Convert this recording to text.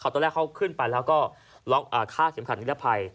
ตอนแรกเขาขึ้นไปแล้วก็ล็อกฆ่าเข็มขัดนิรภัย